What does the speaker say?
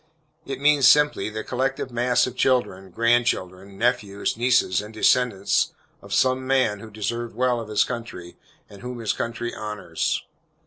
It means simply, the collective mass of children, grand children, nephews, nieces, and descendants, of some man who deserved well of his country, and whom his country honors.